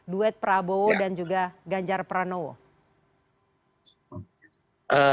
duet prabowo dan juga ganjar pranowo